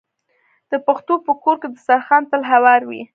د پښتنو په کور کې دسترخان تل هوار وي.